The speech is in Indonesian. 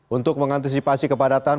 untuk mengantisipasi kepadatan